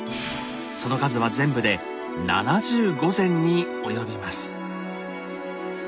その数は全部で７５膳に及びます。